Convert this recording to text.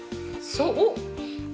そう。